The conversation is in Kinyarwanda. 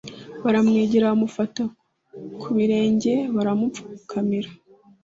Baramwegera bamufata ku birenge baramupfukamira